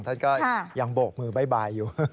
ท่านก็ยังโบกมือบ๊ายบายอยู่